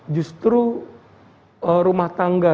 justru rumah tangga